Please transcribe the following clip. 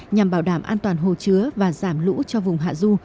nhằm bảo đảm an toàn hồ chứa và giảm lũ cho vùng hạ du